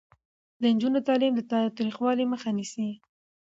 د نجونو تعلیم د تاوتریخوالي مخه نیسي.